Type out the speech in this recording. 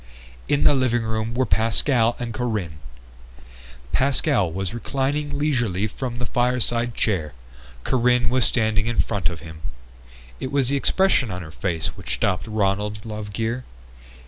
In the living room were Pascal and Corinne. Pascal was reclining leisurely in the fireside chair; Corinne was standing in front of him. It was the expression on her face which stopped Ronald Lovegear.